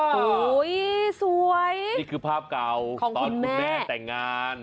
อ๋อโหสวยนี่คือภาพเก่าของคุณแม่ตอนคุณแม่แต่งงาน